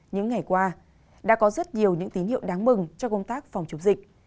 những ngày qua đã có rất nhiều những tín hiệu đáng mừng cho công tác phòng chống dịch